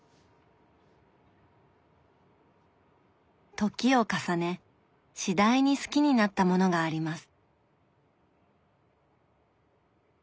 時を重ね次第に好きになったものがあります。